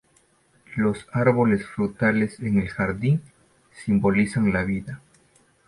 Los árboles frutales en el jardín simbolizan la vida.